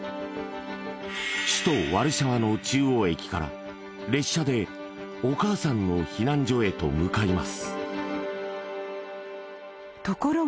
首都ワルシャワの中央駅から列車でお母さんの避難所へと向かいますところが